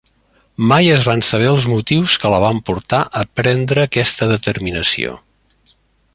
Mai es van saber els motius que la van portar a prendre aquesta determinació.